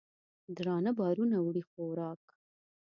درانه بارونه وړي خوراک